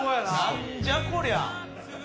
何じゃこりゃ。